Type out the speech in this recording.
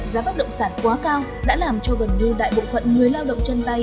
giá bất động sản quá cao đã làm cho gần như đại bộ phận người lao động chân tay